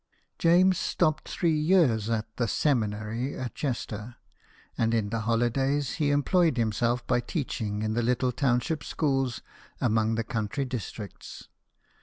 ! ames stopped three years at the " semi nary " at Chester ; and in the holidays he employed himself by teaching in the little township schools among the country districts.